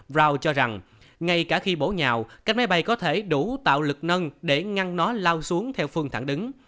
brown cho rằng ngay cả khi bổ nhào cánh máy bay có thể đủ tạo lực nâng để ngăn nó lao xuống theo phương thẳng đứng